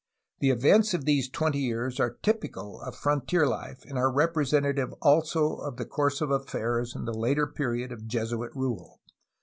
The events of these twenty years are typical of frontier life and are representa tive also of the course of affairs in the later period of Jesuit rule.